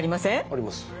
あります。